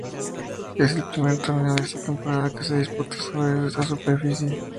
Es el primer torneo de esta temporada que se disputa sobre esta superficie.